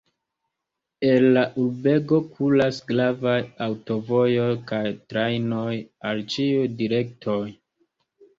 El la urbego kuras gravaj aŭtovojoj kaj trajnoj al ĉiuj direktoj.